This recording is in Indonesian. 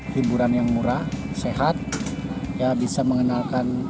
hiburan yang murah sehat ya bisa mengenalkan